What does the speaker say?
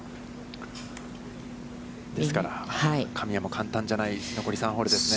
ですから、神谷も簡単じゃない、残り３ホールですね。